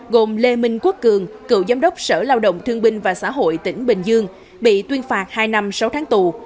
gồm lê minh quốc cường cựu giám đốc sở lao động thương binh và xã hội tỉnh bình dương bị tuyên phạt hai năm sáu tháng tù